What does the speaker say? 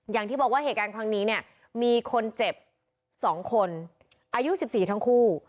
อย่างที่บอกว่าเหตุการณ์ครั้งนี้เนี่ยมีคนเจ็บ๒คนอายุ๑๔ทั้งคู่